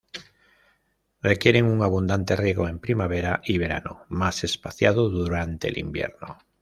Requieren un abundante riego en primavera y verano, más espaciado durante el invierno.